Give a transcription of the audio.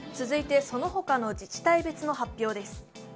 続いて、その他の自治体別の発表です。